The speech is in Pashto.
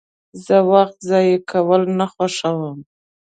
زه وخت ضایع کول نه خوښوم.